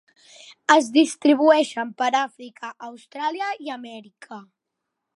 Es distribueixen per Àfrica, Austràlia i Amèrica.